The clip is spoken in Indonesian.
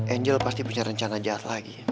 angel pasti punya rencana jahat lagi